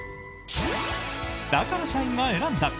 だから社員が選んだ！